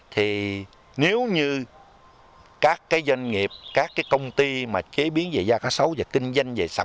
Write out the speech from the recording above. thì nếu như các cái doanh nghiệp các cái công ty mà chế biến về da cá sấu và kinh doanh về sản phẩm cá sấu